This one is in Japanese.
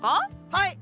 はい。